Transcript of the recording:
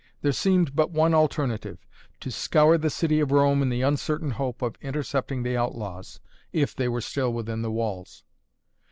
There seemed but one alternative; to scour the city of Rome in the uncertain hope of intercepting the outlaws, if they were still within the walls.